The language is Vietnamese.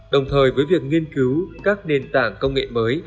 đồng thời với việc nghiên cứu các nền tảng công nghệ mới